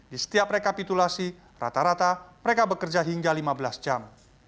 di setiap rekapitulasi rata rata mereka bekerja hingga lima belas jam